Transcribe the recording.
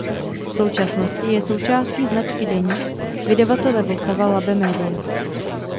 V současnosti je součástí značky Deník vydavatele Vltava Labe Media.